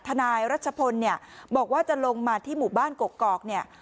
นายรัชพลเนี่ยบอกว่าจะลงมาที่หมู่บ้านกกอกเนี่ย